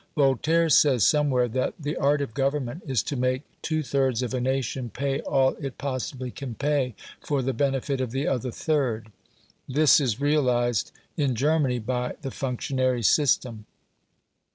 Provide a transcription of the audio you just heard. Voltaire says, somewhere, that, 'the art of government is to make two thirds of a nation pay all it possibly can pay for the benefit of the other third'. This is realised in Germany by the functionary system.